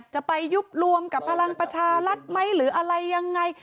จะไปยุบรวมกับพลังประชารัฐไหมหรืออะไรยังไง